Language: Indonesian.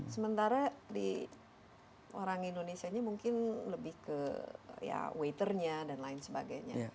sementara di orang indonesia nya mungkin lebih ke ya waiternya dan lain sebagainya